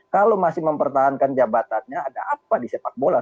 kalau masih mempertahankan jabatannya ada apa di sepak bola